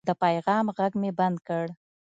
د پیغام غږ مې بند کړ.